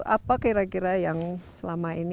apa kira kira yang selama ini